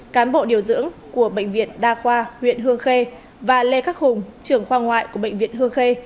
cán bộ điều dưỡng của bệnh viện đa khoa huyện hương khê và lê khắc hùng trưởng khoa ngoại của bệnh viện hương khê